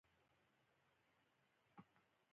د لغمان عينک د مسو لوی کان دی